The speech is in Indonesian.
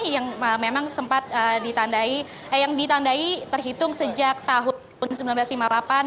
yang memang sempat ditandai terhitung sejak tahun seribu sembilan ratus lima puluh delapan